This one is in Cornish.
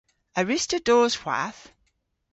A wruss'ta dos hwath?